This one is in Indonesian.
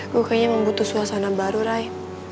gue kayaknya membutuhkan suasana baru ray